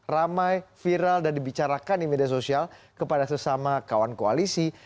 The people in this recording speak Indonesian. ramai viral dan dibicarakan di media sosial kepada sesama kawan koalisi